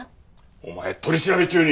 お前取り調べ中に！